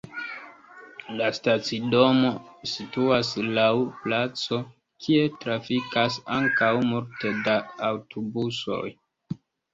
La stacidomo situas laŭ placo, kie trafikas ankaŭ multe da aŭtobusoj.